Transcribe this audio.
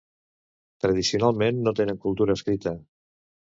Tradicionalment no tenen cultura escrita.